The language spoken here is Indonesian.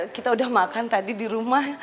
kita udah makan tadi di rumah